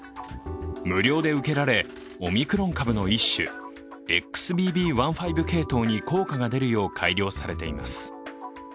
無料で受けられ、オミクロン株の一種ＸＢＢ．１．５系統に効果が出るよう改良されています。